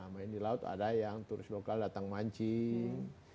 main di laut ada yang turis lokal datang mancing